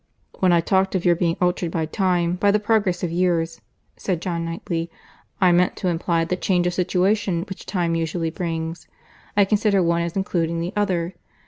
"When I talked of your being altered by time, by the progress of years," said John Knightley, "I meant to imply the change of situation which time usually brings. I consider one as including the other.